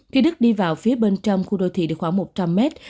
khi đức đi vào phía bên trong khu đô thị được khoảng một trăm linh mét